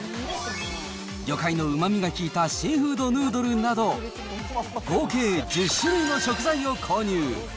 魚介のうまみが効いたシーフードヌードルなど、合計１０種類の食材を購入。